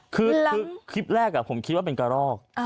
คือคลิปแรกผมคิดว่าเป็นกระรอก